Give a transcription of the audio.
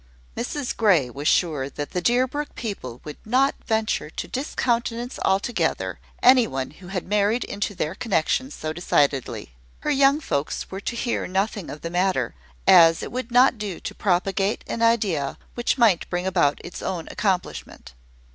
Mrs Grey was sure that the Deerbrook people would not venture to discountenance altogether any one who had married into their connection so decidedly. Her young folks were to hear nothing of the matter, as it would not do to propagate an idea which might bring about its own accomplishment.